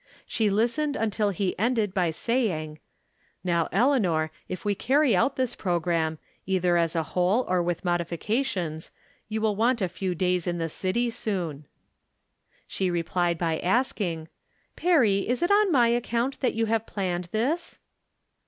She listened until he ended by saying :" Now, Eleanor, if we carry out this pro gramme, either as a whole or with modifications,, you will want a few days in the city soon." 356 From Different Standpoints. She replied by asking :" Perry, is it on my account that you have planned tliis